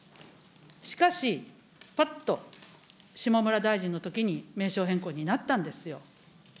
しかし、ぱっと下村大臣のときに名称変更になったんですよ。